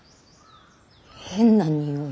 変なにおい。